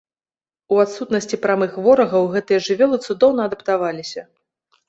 У адсутнасці прамых ворагаў гэтыя жывёлы цудоўна адаптаваліся.